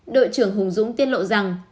đội trưởng hùng dũng tiết lộ rằng